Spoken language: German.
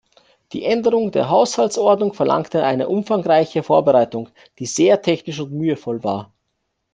Die Änderung der Haushaltsordnung verlangte eine umfangreiche Vorbereitung, die sehr technisch und mühevoll war.